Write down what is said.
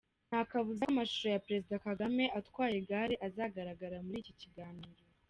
Nta kabuza ko amashusho ya Perezida Kagame atwaye igare azagaragara muri icyo kiganiro.